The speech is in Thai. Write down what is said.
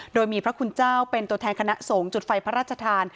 โดยมีพระคุณเจ้าเป็นตัวแทนคณะสงฆ์จุดไฟพระราชทาน